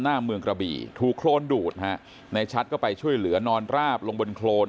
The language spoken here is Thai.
หน้าเมืองกระบี่ถูกโครนดูดฮะในชัดก็ไปช่วยเหลือนอนราบลงบนโครน